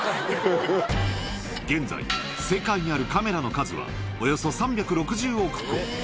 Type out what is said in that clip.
現在、世界にあるカメラの数はおよそ３６０億個。